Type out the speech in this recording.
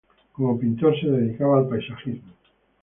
Como pintor, se dedicaba al paisajismo.